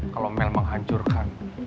kalau mel menghancurkan